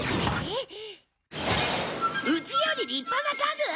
うちより立派な家具？